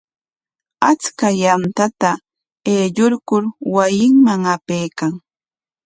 Achka yantata aylluykur wasinman apaykan.